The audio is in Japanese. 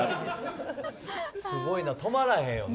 すごいな、止まらへんよね